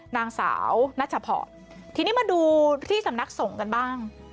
นางสาวนัชพรทีนี้มาดูที่สำนักสงฆ์กันบ้าง